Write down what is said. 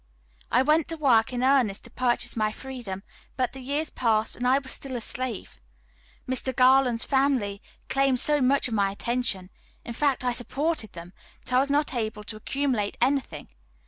I went to work in earnest to purchase my freedom, but the years passed, and I was still a slave. Mr. Garland's family claimed so much of my attention in fact, I supported them that I was not able to accumulate anything.